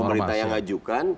pemerintah yang mengajukan